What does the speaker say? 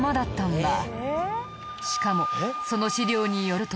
しかもその史料によると。